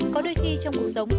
có đôi khi trong cuộc sống